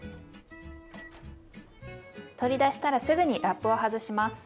取り出したらすぐにラップを外します。